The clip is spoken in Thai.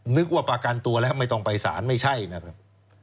นึกว่าประกันตัวแล้วไม่ต้องไปสารไม่ใช่นะครับ